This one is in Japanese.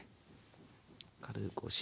軽くお塩。